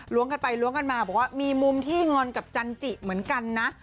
กันไปล้วงกันมาบอกว่ามีมุมที่งอนกับจันจิเหมือนกันนะ